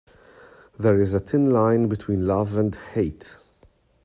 There is a thin line between love and hate.